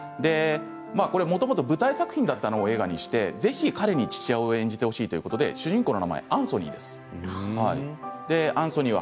もともと舞台作品を映画にしてぜひ彼に父親を演じてほしいということで主人公の名前はアンソニーです。